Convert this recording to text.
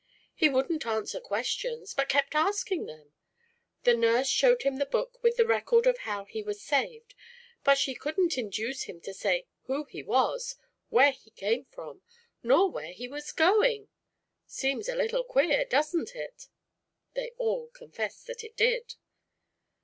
He wouldn't answer questions, but kept asking them. The nurse showed him the book with the record of how he was saved, but she couldn't induce him to say who he was, where he came from nor where he was going. Seems a little queer, doesn't it?" They all confessed that it did.